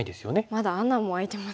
まだ穴も開いてますしね。